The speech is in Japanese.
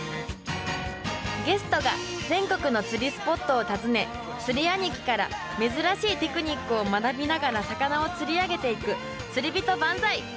ゲストが全国の釣りスポットを訪ね釣り兄貴から珍しいテクニックを学びながら魚を釣り上げていく「釣りびと万歳」。